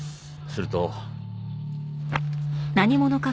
すると。